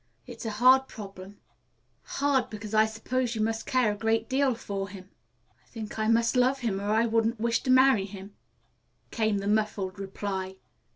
"It's a hard problem hard because I suppose you must care a great deal for him." "I think I must love him, or I wouldn't wish to marry him," came the muffled reply.